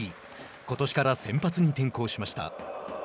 ことしから先発に転向しました。